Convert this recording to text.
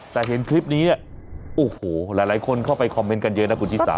แต่เห็นคลิปนี้โอ้โหหลายคนเข้าไปคอมเมนต์กันเยอะนะคุณชิสา